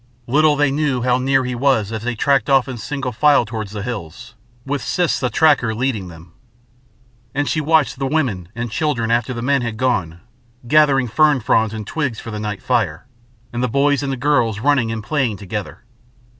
Little they knew how near he was as they tracked off in single file towards the hills, with Siss the Tracker leading them. And she watched the women and children, after the men had gone, gathering fern fronds and twigs for the night fire, and the boys and girls running and playing together.